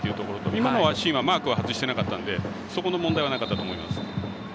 今のシーンはマークは外してなかったのでそこの問題はなかったと思います。